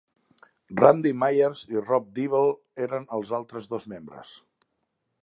Randy Myers i Rob Dibble eren els altres dos membres.